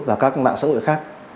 và các mạng xã hội khác